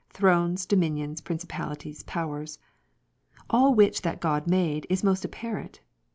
Thrones, Dominions, Principalities, Powers. All which that God made, is most apparent.